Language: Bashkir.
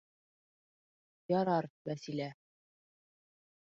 — Ярар, Вәсилә...